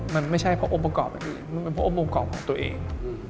มันไม่ใช่เพราะองค์ประกอบอื่นมันเพราะองค์ประกอบของตัวเอง